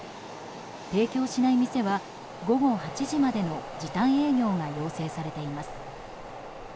提供しない店は午後８時までの時短営業が要請されています。